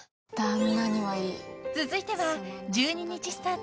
［続いては１２日スタート］